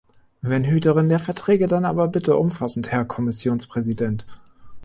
Wenn Hüterin der Verträge, dann aber bitte umfassend, Herr Kommissionspräsident!